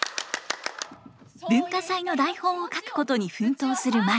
文化祭の台本を書くことに奮闘する舞。